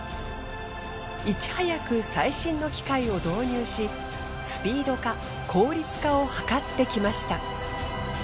いち早く最新の機械を導入しスピード化効率化をはかってきました。